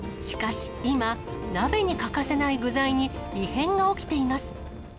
しかし今、鍋に欠かせない具材に、異変が起きています。